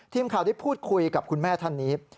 ทีมข่าวได้พูดคุยกับคุณแม่ท่านนี้